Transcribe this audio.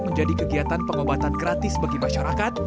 menjadi kegiatan pengobatan gratis bagi masyarakat